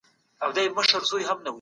خپلي اړیکي به په رښتینولۍ سره پالئ.